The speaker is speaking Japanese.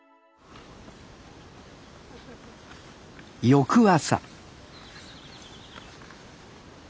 翌朝